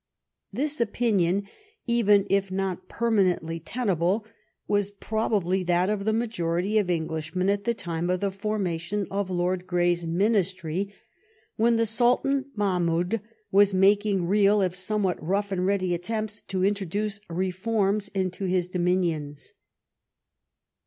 This opinion, even if not perma nently tenable, was probably that of the majority of Englishmen at the time of the formation of Lord Grey's ministry, when the Saltan Mahmoud was making real, if somewhat rough and ready, attempts to intro duce reforms into his dominions.